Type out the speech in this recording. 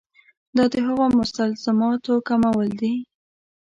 دا د هغو مستلزماتو کمول دي.